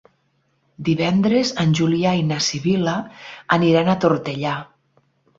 Divendres en Julià i na Sibil·la aniran a Tortellà.